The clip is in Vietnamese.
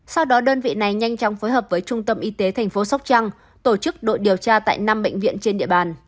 sau đó đơn vị này nhanh chóng phối hợp với trung tâm y tế tp sóc trăng tổ chức đội điều tra tại năm bệnh viện trên địa bàn